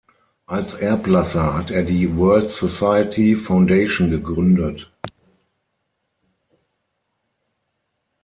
Als Erblasser hat er die World Society Foundation gegründet.